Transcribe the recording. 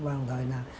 và đồng thời là